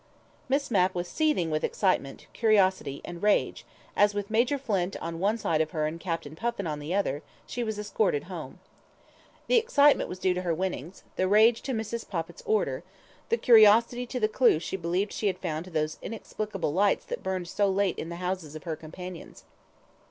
Miss Mapp was seething with excitement, curiosity and rage, as with Major Flint on one side of her and Captain Puffin on the other, she was escorted home. The excitement was due to her winnings, the rage to Mrs. Poppit's Order, the curiosity to the clue she believed she had found to those inexplicable lights that burned so late in the houses of her companions.